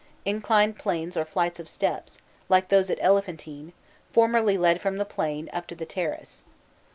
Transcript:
Inclined planes or nights of steps, like those at Elephantine, formerly led from the plain up to the terrace.